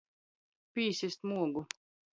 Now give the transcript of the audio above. Pīsist muogu.